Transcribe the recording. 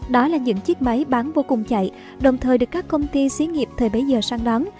đó là những chiếc máy bán vô cùng chạy đồng thời được các công ty xí nghiệp thời bấy giờ sang đón